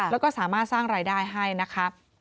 แล้วก็สามารถสร้างรายได้ให้นะคะ